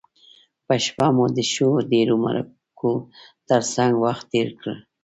په شپه مو د ښو ډیرو مرکو تر څنګه وخت تیر کړ.